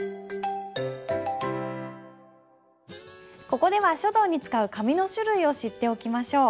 ここでは書道に使う紙の種類を知っておきましょう。